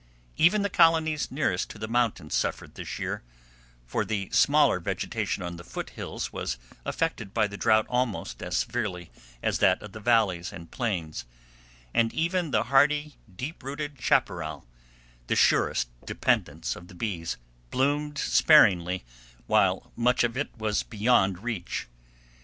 ] Even the colonies nearest to the mountains suffered this year, for the smaller vegetation on the foot hills was affected by the drought almost as severely as that of the valleys and plains, and even the hardy, deep rooted chaparral, the surest dependence of the bees, bloomed sparingly, while much of it was beyond reach.